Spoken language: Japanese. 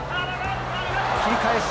切り返し。